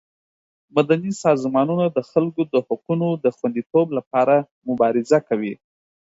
مدني سازمانونه د خلکو د حقونو د خوندیتوب لپاره مبارزه کوي.